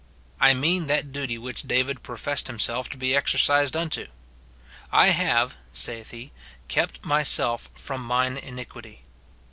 I mean that duty which David professed himself to be exercised unto. " I have," saith he, " kept myself from mine iniquity."